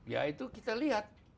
ya itu kita lihat